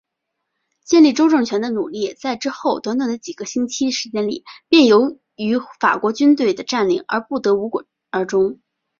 建立州政权的努力在之后短短的几个星期时间里便由于法国军队的占领而不得无果而终。